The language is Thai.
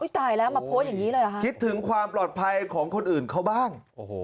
ตายแล้วมาโพสต์อย่างนี้เลยเหรอคะคิดถึงความปลอดภัยของคนอื่นเขาบ้าง